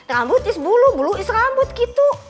rambut is bulu bulu is rambut gitu